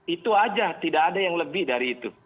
itu aja tidak ada yang lebih dari itu